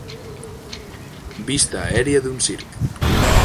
Vista aèria d'un circ.